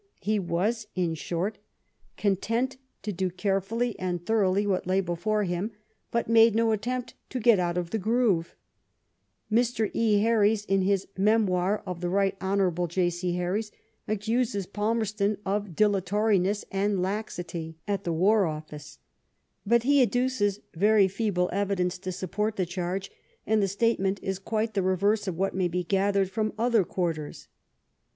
He was, in short, content to do carefully LOEB PALMEBSTON AND TORYISM. 11 and thoroughly what lay before him, but made no attempt to get out of the groove. Mr. E. Henries in his Memoir of the Right Hon. J. C. Herries^ accuses Palmerston of " dilatoriness and laxity'' at the War 0£Sce. But he adduces very feeble evidence to support the charge, and the statement is quite the reverse of what may be gathered from other quarters.